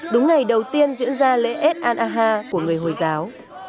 đúng ngày đầu tiên diễn ra lễ an aha của người hồi giáo